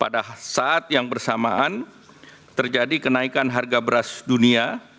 pada saat yang bersamaan terjadi kenaikan harga beras dunia